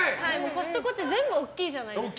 コストコって全部大きいじゃないですか。